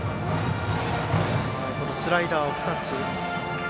スライダーを２つ。